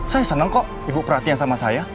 saya senang kok ibu perhatikan sama saya